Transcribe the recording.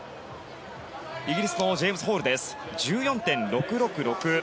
イギリスのジェームズ・ホール１４．６６６。